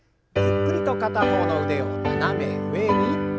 ゆっくりと片方の腕を斜め上に。